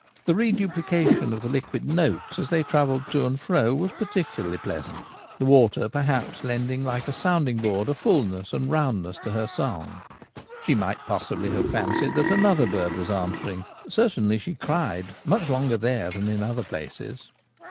The reduplication of the liquid notes, as they travelled to and fro, was peculiarly pleasant : the water, perhaps, lending, like a sounding board, a fulness and roundness to her song. She might possibly have fancied that another bird was answering ; certainly she * cried ' much longer there than in other places.